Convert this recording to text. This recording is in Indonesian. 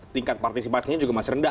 tingkat partisipasinya juga masih rendah